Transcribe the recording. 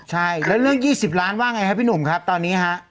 ใช่แล้วเรื่อง๒๐ล้านว่าไงครับพี่หนุ่มครับตอนนี้ฮะ